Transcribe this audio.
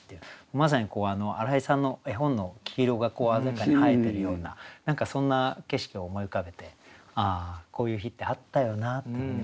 まさに荒井さんの絵本の黄色が鮮やかに映えてるような何かそんな景色を思い浮かべて「あこういう日ってあったよな」って思い出させてくれた一句でしたね。